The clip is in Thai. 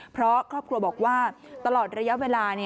เพราะครอบครัวบอกว่าตลอดระยะเวลา